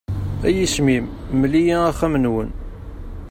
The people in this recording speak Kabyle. A yisem-im, mmel-iyi axxam-nwen.